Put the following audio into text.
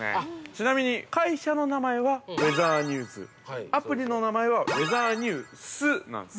ちなみに会社の名前はウェザーニューズ、アプリの名前はウェザーニュースなんです。